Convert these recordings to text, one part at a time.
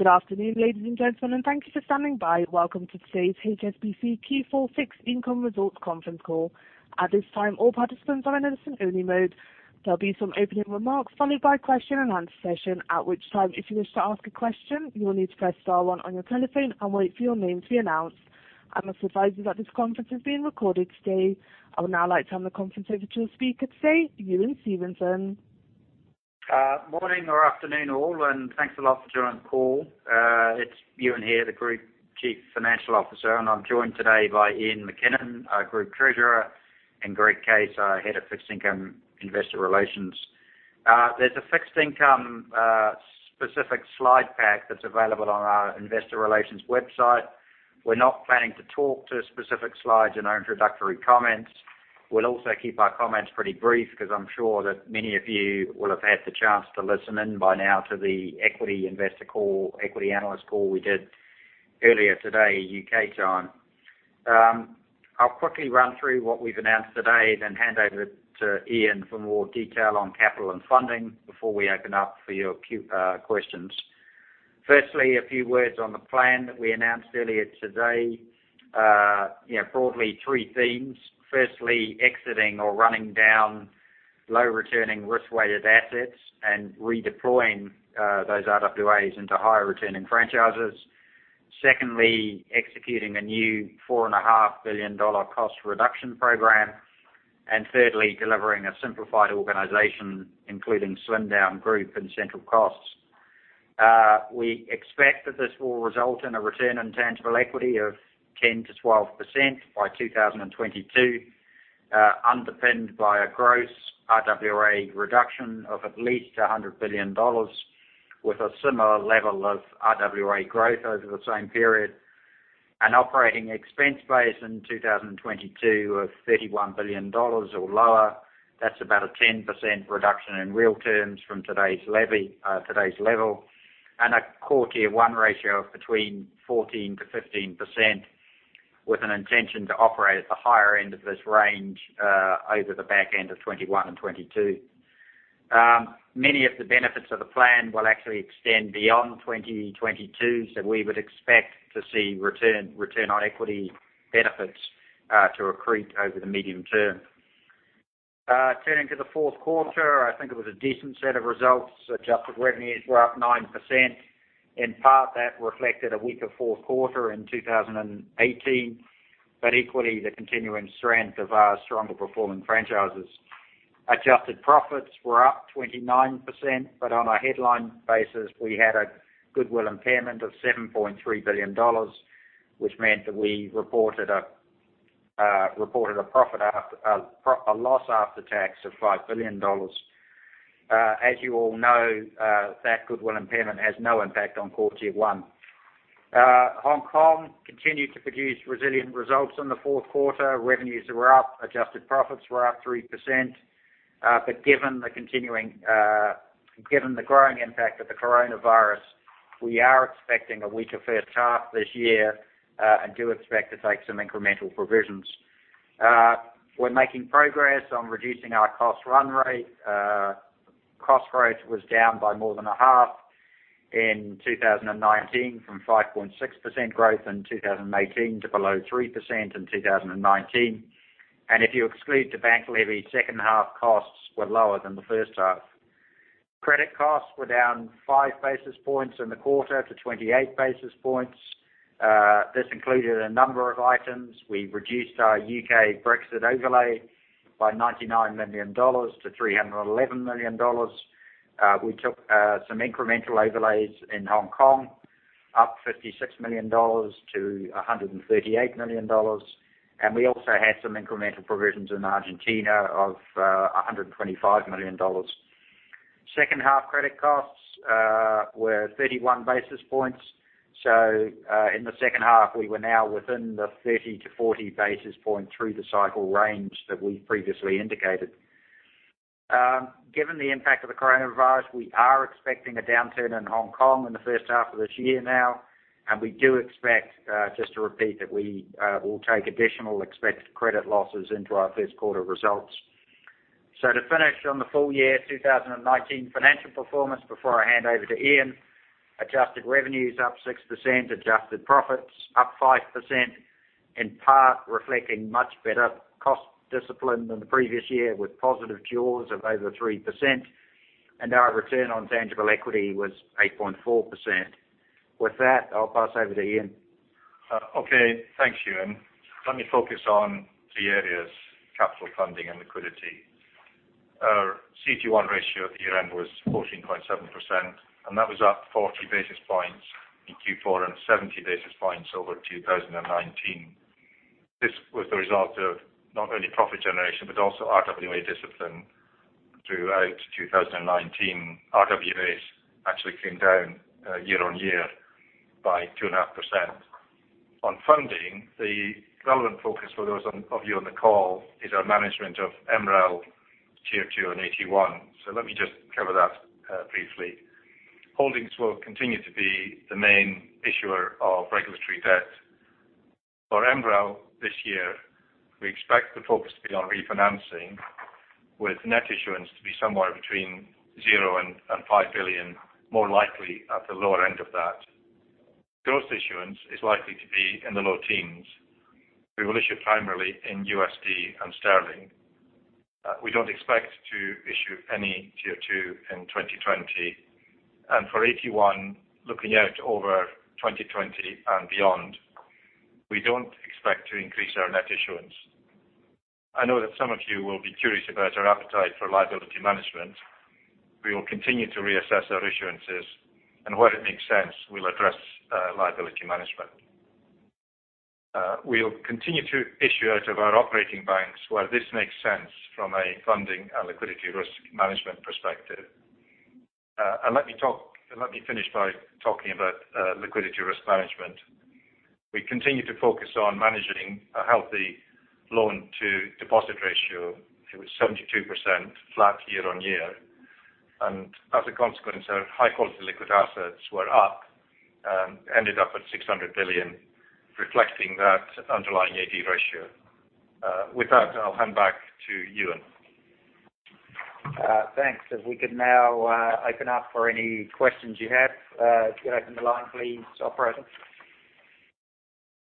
Good afternoon, ladies and gentlemen, thank you for standing by. Welcome to today's HSBC Q4 Fixed Income Results conference call. At this time, all participants are in a listen only mode. There'll be some opening remarks followed by question and answer session, at which time, if you wish to ask a question, you will need to press star one on your telephone and wait for your name to be announced. I must advise you that this conference is being recorded today. I would now like to hand the conference over to the speaker today, Ewen Stevenson. Morning or afternoon, all, and thanks a lot for joining the call. It's Ewen here, the Group Chief Financial Officer, and I'm joined today by Iain MacKinnon, our Group Treasurer, and Greg Case, our Head of Fixed Income Investor Relations. There's a fixed income specific slide pack that's available on our investor relations website. We're not planning to talk to specific slides in our introductory comments. We'll also keep our comments pretty brief because I'm sure that many of you will have had the chance to listen in by now to the equity investor call, equity analyst call we did earlier today, U.K. time. I'll quickly run through what we've announced today, then hand over to Iain for more detail on capital and funding before we open up for your questions. Firstly, a few words on the plan that we announced earlier today. Broadly three themes. Firstly, exiting or running down low-returning risk-weighted assets and redeploying those RWAs into higher returning franchises. Secondly, executing a new $4.5 billion cost reduction program. Thirdly, delivering a simplified organization, including slimmed down group and central costs. We expect that this will result in a return on tangible equity of 10%-12% by 2022, underpinned by a gross RWA reduction of at least $100 billion with a similar level of RWA growth over the same period. An operating expense base in 2022 of $31 billion or lower. That's about a 10% reduction in real terms from today's level. A core tier 1 ratio of between 14%-15% with an intention to operate at the higher end of this range over the back end of 2021 and 2022. Many of the benefits of the plan will actually extend beyond 2022, we would expect to see return on equity benefits to accrete over the medium term. Turning to the fourth quarter, I think it was a decent set of results. Adjusted revenues were up 9%. In part, that reflected a weaker fourth quarter in 2018, but equally, the continuing strength of our stronger performing franchises. Adjusted profits were up 29%, but on a headline basis, we had a goodwill impairment of $7.3 billion, which meant that we reported a loss after tax of $5 billion. As you all know, that goodwill impairment has no impact on core tier 1. Hong Kong continued to produce resilient results in the fourth quarter. Revenues were up, adjusted profits were up 3%. Given the growing impact of the coronavirus, we are expecting a weaker first half this year, and do expect to take some incremental provisions. We're making progress on reducing our cost run rate. Cost growth was down by more than 1/2 in 2019 from 5.6% growth in 2018 to below 3% in 2019. If you exclude the bank levy, second half costs were lower than the first half. Credit costs were down five basis points in the quarter to 28 basis points. This included a number of items. We reduced our U.K. Brexit overlay by $99 million to $311 million. We took some incremental overlays in Hong Kong, up $56 million to $138 million. We also had some incremental provisions in Argentina of $125 million. Second half credit costs were 31 basis points. In the second half, we were now within the 30 to 40 basis points through the cycle range that we previously indicated. Given the impact of the coronavirus, we are expecting a downturn in Hong Kong in the first half of this year now, and we do expect, just to repeat, that we will take additional expected credit losses into our first quarter results. To finish on the full year 2019 financial performance before I hand over to Iain, adjusted revenues up 6%, adjusted profits up 5%, in part reflecting much better cost discipline than the previous year with positive jaws of over 3%, and our return on tangible equity was 8.4%. With that, I'll pass over to Iain. Okay. Thanks, Ewen. Let me focus on three areas, capital funding and liquidity. Our CT1 ratio at year-end was 14.7%. That was up 40 basis points in Q4 and 70 basis points over 2019. This was the result of not only profit generation, but also RWA discipline. Throughout 2019, RWAs actually came down year on year by 2.5%. On funding, the relevant focus for those of you on the call is our management of MREL, Tier 2 and AT1. Let me just cover that briefly. Holdings will continue to be the main issuer of regulatory debt. For MREL this year, we expect the focus to be on refinancing, with net issuance to be somewhere between $0 and $5 billion, more likely at the lower end of that. Gross issuance is likely to be in the low teens. We will issue primarily in USD and sterling. We don't expect to issue any Tier 2 in 2020. For AT1, looking out over 2020 and beyond, we don't expect to increase our net issuance. I know that some of you will be curious about our appetite for liability management. We will continue to reassess our issuances, and where it makes sense, we'll address liability management. We'll continue to issue out of our operating banks where this makes sense from a funding and liquidity risk management perspective. Let me finish by talking about liquidity risk management. We continue to focus on managing a healthy loan-to-deposit ratio. It was 72% flat year-over-year. As a consequence, our high-quality liquid assets were up, ended up at $600 billion, reflecting that underlying AD ratio. With that, I'll hand back to Ewen. Thanks. If we could now open up for any questions you have. Go ahead on the line please, operator.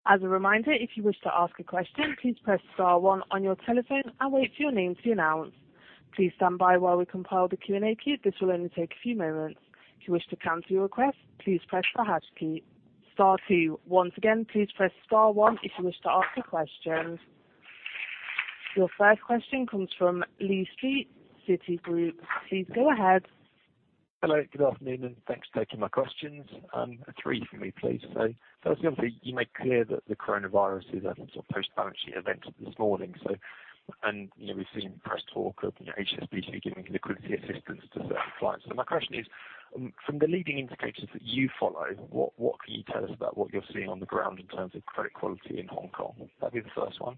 As a reminder, if you wish to ask a question, please press star one on your telephone and wait for your name to be announced. Please stand by while we compile the Q&A queue. This will only take a few moments. If you wish to cancel your request, please press the hash key, star two. Once again, please press star one if you wish to ask a question. Your first question comes from Lee Street, Citigroup. Please go ahead. Hello. Good afternoon, thanks for taking my questions. Three for me, please. First, you made clear that the coronavirus is a post-balance sheet event this morning. We've seen press talk of HSBC giving liquidity assistance to certain clients. My question is, from the leading indicators that you follow, what can you tell us about what you're seeing on the ground in terms of credit quality in Hong Kong? That'd be the first one.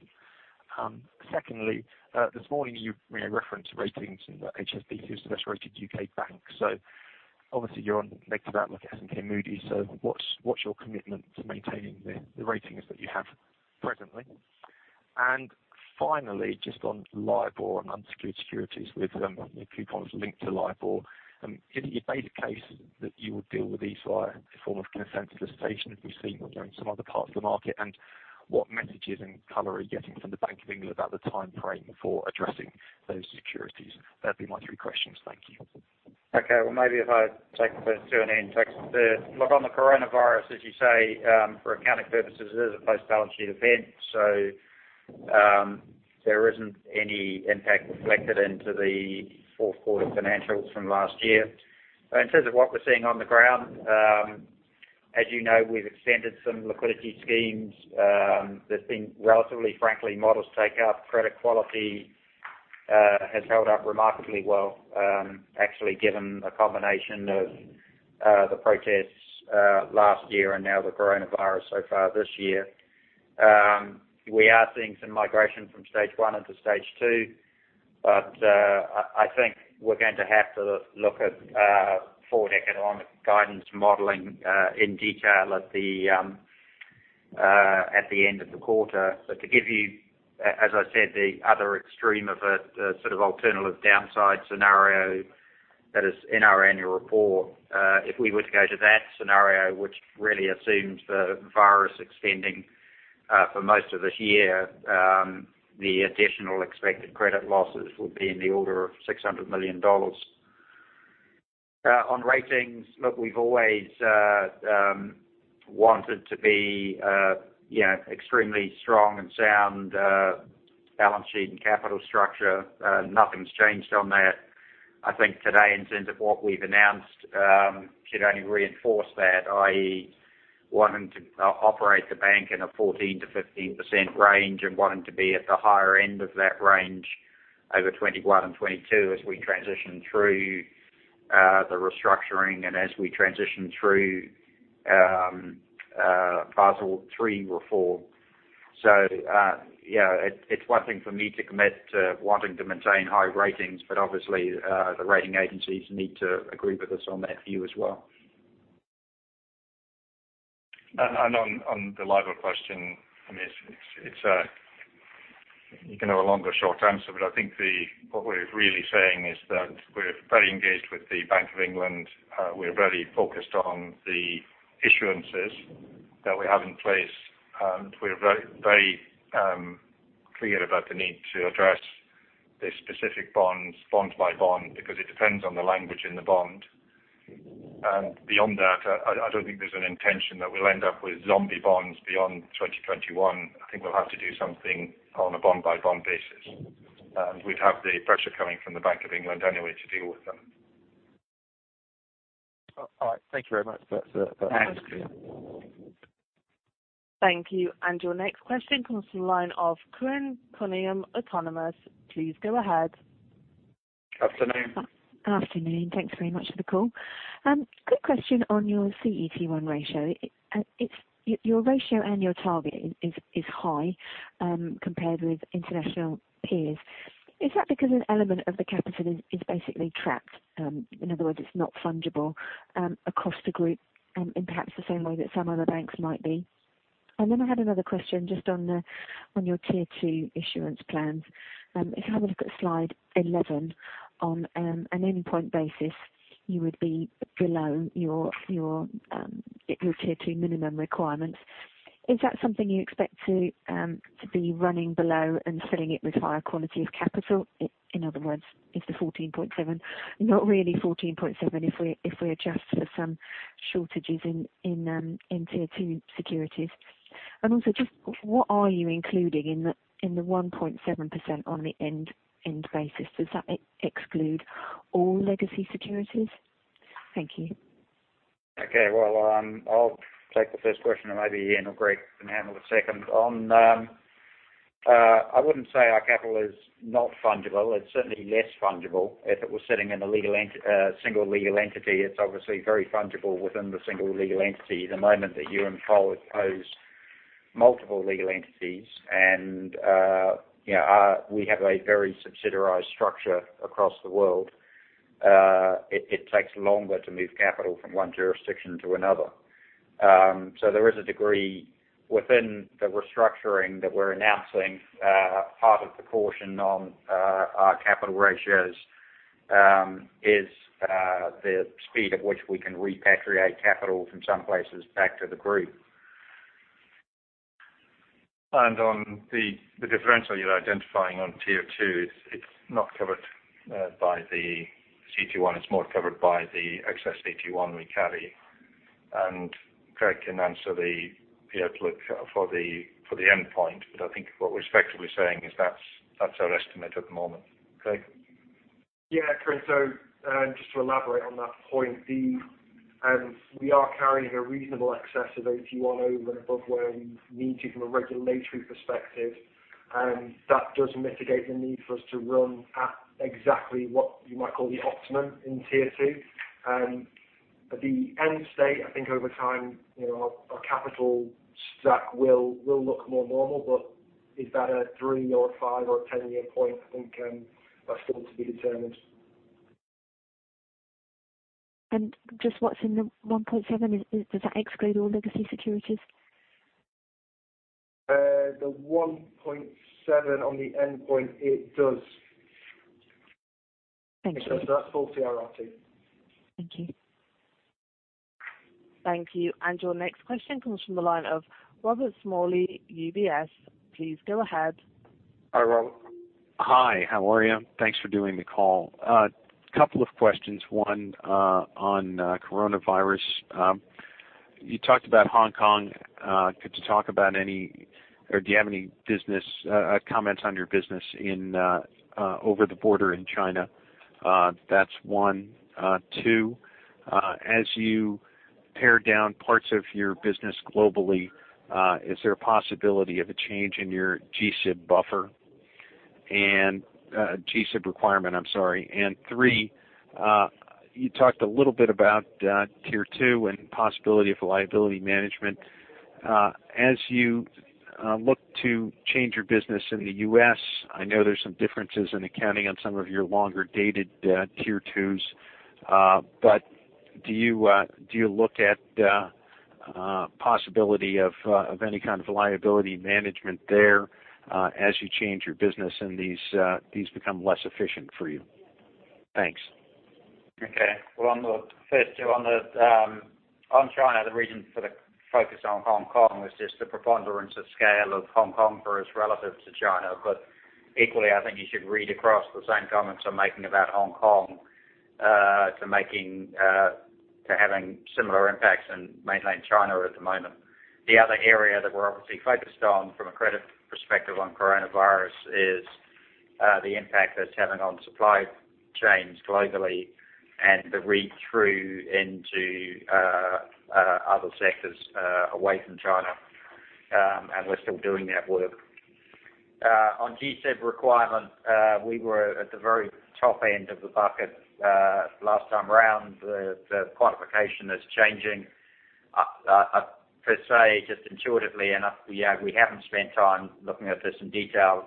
Secondly, this morning you made a reference to ratings and that HSBC is the best-rated U.K. bank. Obviously you're on negative outlook at S&P Moody's. What's your commitment to maintaining the ratings that you have presently? Finally, just on LIBOR and unsecured securities with coupons linked to LIBOR. You made a case that you would deal with these via a form of consent solicitation, as we've seen in some other parts of the market. What messages and color are you getting from the Bank of England about the timeframe for addressing those securities? That'd be my three questions. Thank you. Okay. Well, maybe if I take the two in. Look, on the coronavirus, as you say, for accounting purposes, it is a post-balance sheet event, so there isn't any impact reflected into the fourth quarter financials from last year. In terms of what we're seeing on the ground, as you know, we've extended some liquidity schemes. There's been relatively frankly modest take-up. Credit quality has held up remarkably well, actually, given the combination of the protests last year and now the coronavirus so far this year. We are seeing some migration from stage 1 into stage 2, but I think we're going to have to look at forward economic guidance modeling in detail at the end of the quarter. To give you, as I said, the other extreme of it, sort of alternative downside scenario that is in our annual report. If we were to go to that scenario, which really assumes the virus extending for most of this year, the additional expected credit losses would be in the order of $600 million. On ratings, look, we've always wanted to be extremely strong and sound balance sheet and capital structure. Nothing's changed on that. I think today, in terms of what we've announced, should only reinforce that, i.e., wanting to operate the bank in a 14%-15% range and wanting to be at the higher end of that range over 2021 and 2022 as we transition through the restructuring and as we transition through Basel III reform. It's one thing for me to commit to wanting to maintain high ratings, but obviously, the rating agencies need to agree with us on that view as well. On the LIBOR question, you can have a long or short answer, but I think what we're really saying is that we're very engaged with the Bank of England. We're very focused on the issuances that we have in place. We are very clear about the need to address the specific bonds, bond by bond, because it depends on the language in the bond. Beyond that, I don't think there's an intention that we'll end up with zombie bonds beyond 2021. I think we'll have to do something on a bond-by-bond basis. We'd have the pressure coming from the Bank of England anyway to deal with them. All right. Thank you very much. That's clear. Thank you. Your next question comes from the line of Corinne Cunningham, Autonomous. Please go ahead. Afternoon. Afternoon. Thanks very much for the call. Quick question on your CET1 ratio. Your ratio and your target is high compared with international peers. Is that because an element of the capital is basically trapped, in other words, it's not fungible across the group in perhaps the same way that some other banks might be? I had another question just on your Tier 2 issuance plans. If you have a look at slide 11, on an end point basis, you would be below your Tier 2 minimum requirements. Is that something you expect to be running below and filling it with higher quality of capital? In other words, is the 14.7% not really 14.7% if we adjust for some shortages in Tier 2 securities? Also, just what are you including in the 1.7% on the end basis? Does that exclude all legacy securities? Thank you. Well, I'll take the first question and maybe Iain or Greg can handle the second one. I wouldn't say our capital is not fungible. It's certainly less fungible if it was sitting in a single legal entity. It's obviously very fungible within the single legal entity. The moment that you unfold those multiple legal entities, and we have a very subsidiarized structure across the world, it takes longer to move capital from one jurisdiction to another. There is a degree within the restructuring that we're announcing, part of the caution on our capital ratios, is the speed at which we can repatriate capital from some places back to the group. On the differential you're identifying on Tier 2, it's not covered by the CT1. It's more covered by the excess AT1 we carry. Greg can answer the look for the end point. I think what we're effectively saying is that's our estimate at the moment. Greg? Yeah, Corinne. Just to elaborate on that point, we are carrying a reasonable excess of AT1 over and above where we need to from a regulatory perspective. That does mitigate the need for us to run at exactly what you might call the optimum in Tier 2. At the end state, I think over time, our capital stack will look more normal. Is that a three or a 5 or a 10-year point, I think that's still to be determined. Just what's in the 1.7%, does that exclude all legacy securities? The 1.7% on the endpoint, it does. Thank you. That's full CRR2. Thank you. Thank you. Your next question comes from the line of Robert Smalley, UBS. Please go ahead. Hi, Robert. Hi, how are you? Thanks for doing the call. A couple of questions. One on coronavirus. You talked about Hong Kong. Could you talk about any, or do you have any comments on your business over the border in China? That's one. Two, as you pare down parts of your business globally, is there a possibility of a change in your G-SIB buffer? G-SIB requirement, I'm sorry. Three, you talked a little bit about Tier 2 and possibility of liability management. As you look to change your business in the U.S., I know there's some differences in accounting on some of your longer dated Tier 2s, but do you look at possibility of any kind of liability management there as you change your business and these become less efficient for you? Thanks. Okay. Well, on the first two, on China, the reason for the focus on Hong Kong was just the preponderance of scale of Hong Kong for us relative to China. Equally, I think you should read across the same comments I'm making about Hong Kong to having similar impacts in Mainland China at the moment. The other area that we're obviously focused on from a credit perspective on coronavirus is the impact that it's having on supply chains globally and the read-through into other sectors away from China. We're still doing that work. G-SIB requirement, we were at the very top end of the bucket last time around. The quantification is changing. Per se, just intuitively, we haven't spent time looking at this in detail,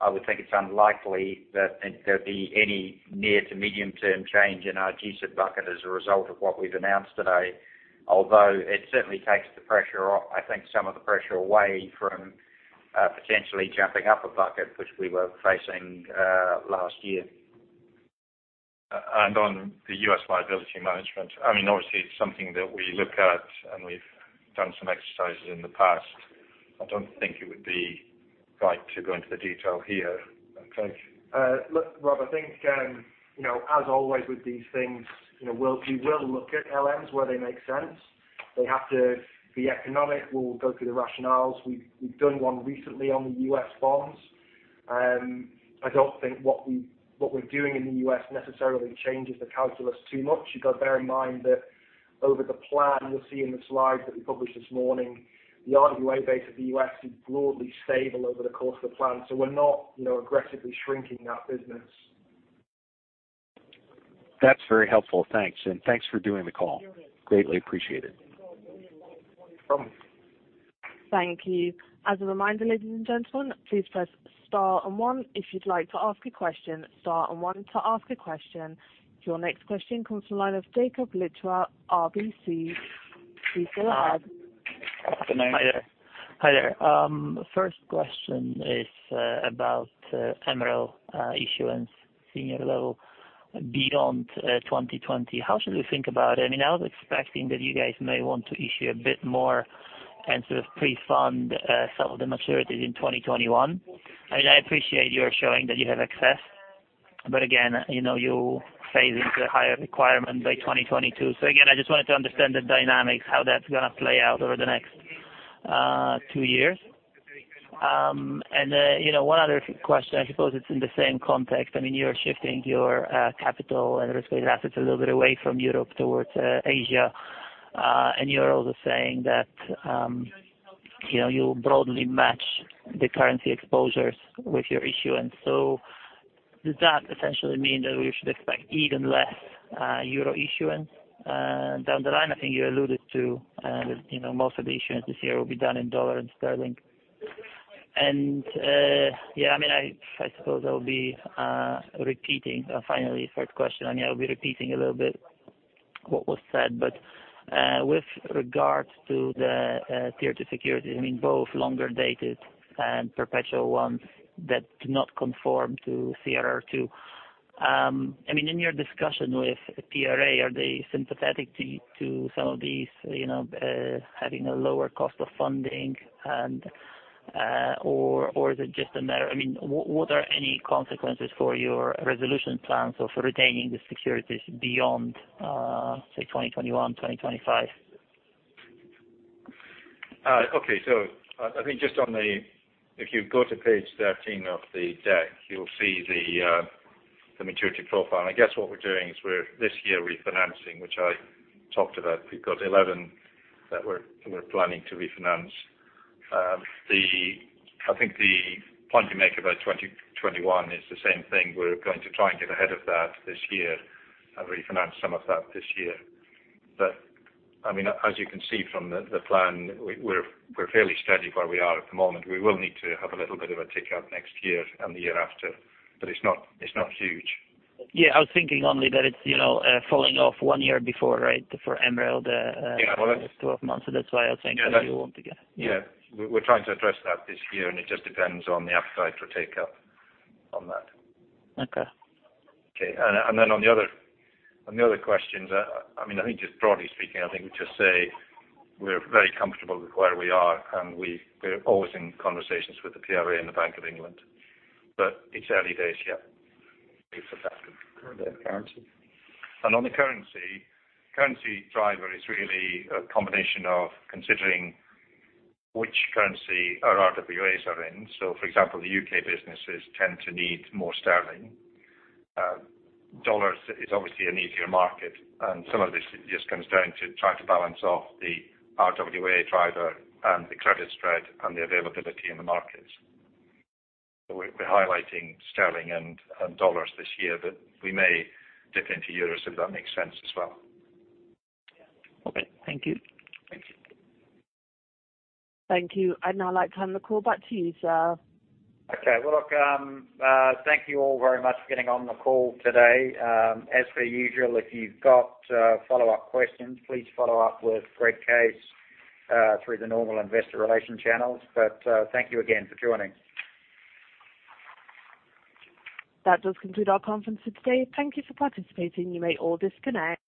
I would think it's unlikely that there'd be any near to medium term change in our G-SIB bucket as a result of what we've announced today. It certainly takes the pressure off, I think some of the pressure away from potentially jumping up a bucket, which we were facing last year. On the U.S. liability management, obviously it's something that we look at and we've done some exercises in the past. I don't think it would be right to go into the detail here. Greg? Look, Rob, I think, as always with these things, we will look at LMs where they make sense. They have to be economic. We'll go through the rationales. We've done one recently on the U.S. bonds. I don't think what we're doing in the U.S. necessarily changes the calculus too much. You've got to bear in mind that over the plan, you'll see in the slides that we published this morning, the RWA base of the U.S. is broadly stable over the course of the plan. We're not aggressively shrinking that business. That's very helpful. Thanks, and thanks for doing the call. Greatly appreciated. No problem. Thank you. As a reminder, ladies and gentlemen, please press star and one if you'd like to ask a question, star and one to ask a question. Your next question comes from the line of Jakub Lichwa, RBC. Please go ahead. Good morning. Hi there. First question is about MREL issuance, senior level beyond 2020. How should we think about it? I was expecting that you guys may want to issue a bit more and sort of pre-fund some of the maturities in 2021. I appreciate you are showing that you have excess. Again, you'll phase into a higher requirement by 2022. Again, I just wanted to understand the dynamics, how that's going to play out over the next two years. One other question, I suppose it's in the same context. You're shifting your capital and risk-weighted assets a little bit away from Europe towards Asia. You're also saying that you'll broadly match the currency exposures with your issuance. Does that essentially mean that we should expect even less euro issuance down the line? I think you alluded to most of the issuance this year will be done in dollar and sterling. I suppose I'll be repeating, finally, third question, I'll be repeating a little bit what was said, but with regards to the Tier 2 securities, both longer dated and perpetual ones that do not conform to CRR2. In your discussion with PRA, are they sympathetic to some of these having a lower cost of funding? Is it just a matter What are any consequences for your resolution plans or for retaining the securities beyond, say, 2021, 2025? I think if you go to page 13 of the deck, you'll see the maturity profile. I guess what we're doing is we're this year refinancing, which I talked about. We've got 11 that we're planning to refinance. I think the point you make about 2021 is the same thing. We're going to try and get ahead of that this year and refinance some of that this year. As you can see from the plan, we're fairly steady where we are at the moment. We will need to have a little bit of a tick up next year and the year after, but it's not huge. Yeah, I was thinking only that it's falling off one year before, right? For MREL. Yeah. 12 months. That's why I was saying that you want to get. Yeah. We're trying to address that this year, and it just depends on the appetite for take-up on that. Okay. Okay. On the other questions, I think just broadly speaking, I think we just say we're very comfortable with where we are, and we're always in conversations with the PRA and the Bank of England. It's early days yet for that. On the currency? On the currency driver is really a combination of considering which currency our RWAs are in. For example, the U.K. businesses tend to need more sterling. U.S. dollars is obviously an easier market, some of this just comes down to trying to balance off the RWA driver and the credit spread and the availability in the markets. We're highlighting sterling and U.S. dollars this year, we may dip into euros if that makes sense as well. Okay. Thank you. Thank you. Thank you. I'd now like to hand the call back to you, Sir. Okay. Well, look, thank you all very much for getting on the call today. As per usual, if you've got follow-up questions, please follow up with Greg Case through the normal investor relation channels. Thank you again for joining. That does conclude our conference for today. Thank you for participating. You may all disconnect.